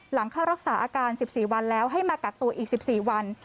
หลังเข้ารักษาอาการ๑๔วันแล้วให้มากักตัวอีก๑๔วัน